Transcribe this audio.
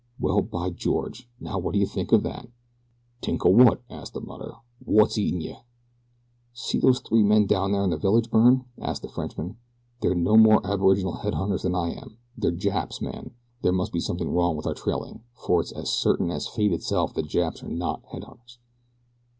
Well, by George! Now what do you think of that?" "Tink o' wot?" asked the mucker. "Wot's eatin' yeh?" "See those three men down there in the village, Byrne?" asked the Frenchman. "They're no more aboriginal headhunters than I am they're Japs, man. There must be something wrong with our trailing, for it's as certain as fate itself that Japs are not head hunters."